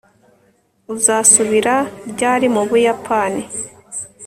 Uzasubira ryari mu Buyapani